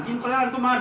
intoleran itu apa